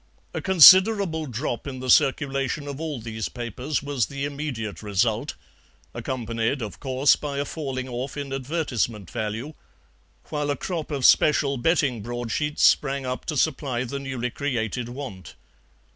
A considerable drop in the circulation of all these papers was the immediate result, accompanied, of course, by a falling off in advertisement value, while a crop of special betting broadsheets sprang up to supply the newly created want.